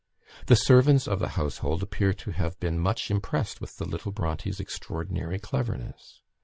The servants of the household appear to have been much impressed with the little Brontes' extraordinary cleverness.